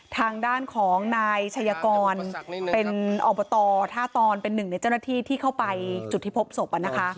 ทางด้านของนายชัยกรเป็นอบตท่าตอนเป็นหนึ่งในเจ้าหน้าที่ที่เข้าไปจุดที่พบศพ